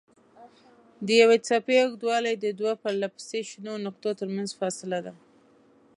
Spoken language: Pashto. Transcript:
د یوې څپې اوږدوالی د دوو پرلهپسې شنو نقطو ترمنځ فاصله ده.